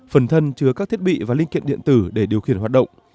phần thân chứa các thiết bị và linh kiện điện tử để điều khiển hoạt động